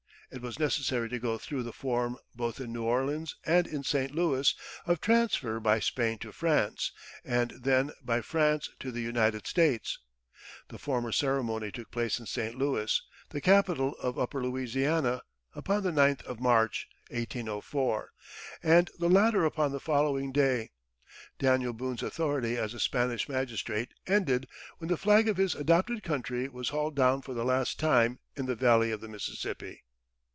It was necessary to go through the form, both in New Orleans and in St. Louis, of transfer by Spain to France, and then by France to the United States. The former ceremony took place in St. Louis, the capital of Upper Louisiana, upon the ninth of March, 1804, and the latter upon the following day. Daniel Boone's authority as a Spanish magistrate ended when the flag of his adopted country was hauled down for the last time in the Valley of the Mississippi.